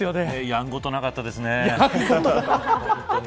やんごとなかったですよね。